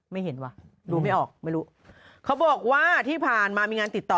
ไม่เห็นว่ะดูไม่ออกไม่รู้เขาบอกว่าที่ผ่านมามีงานติดต่อ